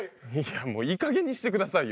もういいかげんにしてくださいよ